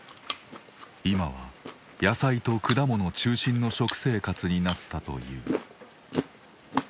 今は野菜と果物中心の食生活になったという。